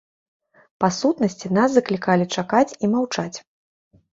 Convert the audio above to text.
Па сутнасці, нас заклікалі чакаць і маўчаць.